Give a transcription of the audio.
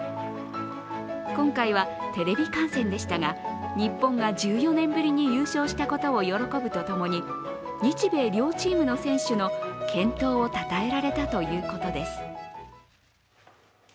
今回はテレビ観戦でしたが、日本が１４年ぶりに優勝したことを喜ぶとともに日米両チームの選手の健闘をたたえられたということです。